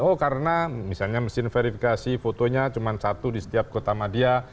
oh karena misalnya mesin verifikasi fotonya cuma satu di setiap kota madia